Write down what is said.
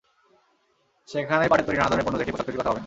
সেখানেই পাটের তৈরি নানা ধরনের পণ্য দেখে পোশাক তৈরির কথা ভাবেন।